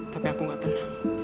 tapi aku gak tenang